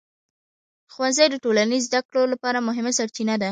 ښوونځي د ټولنیز زده کړو لپاره مهمه سرچینه ده.